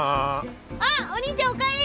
あっお兄ちゃんお帰り。